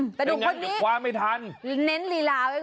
นับแต่ดูคนที่นี่เน้นลีลาไว้ก่อน